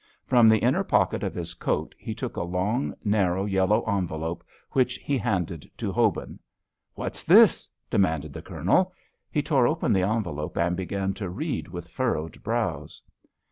From the inner pocket of his coat he took a long, narrow, yellow envelope, which he handed to Hobin. "What's this?" demanded the Colonel. He tore open the envelope and began to read with furrowed brows.